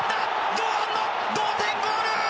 堂安の同点ゴール！